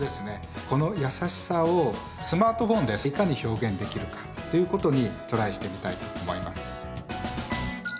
このやさしさをスマートフォンでいかに表現できるかということにトライしてみたいと思います。